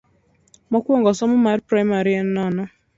Mokuongo somo mar primari en nono.